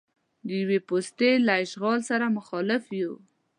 د یوې پوستې له اشغال سره مخالف یو.